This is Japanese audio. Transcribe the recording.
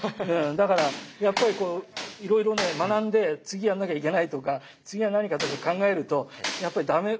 だからやっぱりこういろいろね学んで次やんなきゃいけないとか次は何かとか考えるとやっぱりダメ。